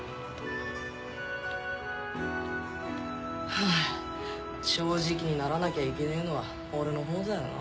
ハァ正直にならなきゃいけねえのは俺のほうだよな。